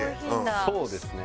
そうですね。